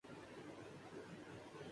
چل نکل یہا سے ـ